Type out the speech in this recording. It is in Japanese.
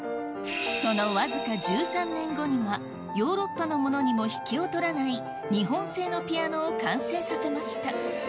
そのわずか１３年後にはヨーロッパのものにも引けを取らない日本製のピアノを完成させました